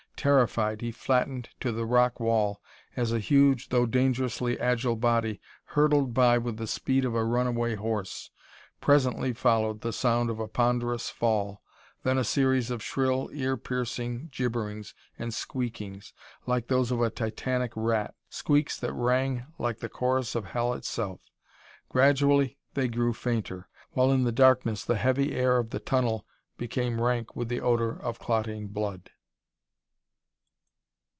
Terrified, he flattened to the rock wall as a huge, though dangerously agile body hurtled by with the speed of a runaway horse. Presently followed the sound of a ponderous fall, then a series of shrill, ear piercing gibberings and squeakings, like those of a titanic rat squeaks that rang like the chorus of Hell itself. Gradually they grew fainter, while in the darkness the heavy air of the tunnel became rank with the odor of clotting blood.